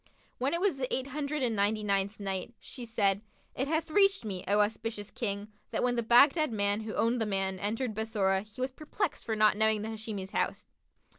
When it was the Eight Hundred and Ninety ninth Night, She said, It hath reached me, O auspicious King, that when the Baghdad man who owned the maid entered Bassorah, he was perplexed for not knowing the Hashimi's house.